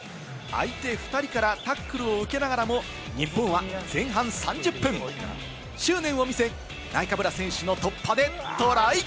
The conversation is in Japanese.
相手２人からタックルを受けながらも、日本は前半３０分、執念を見せ、ナイカブラ選手の突破でトライ！